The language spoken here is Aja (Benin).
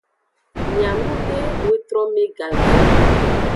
Mianube wetrome gave.